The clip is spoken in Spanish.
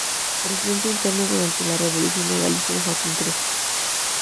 Presidente interno durante la Revolución Legalista de Joaquín Crespo.